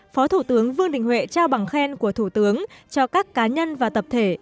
phó thủ tướng vương đình huệ trao bằng khen của thủ tướng cho các cá nhân và tập thể